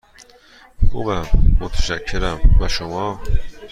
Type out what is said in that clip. خوبم، متشکرم، و شما؟